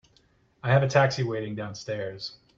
I have a taxi waiting downstairs.